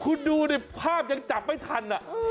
คุณดูดิภาพยังจับไม่ทัน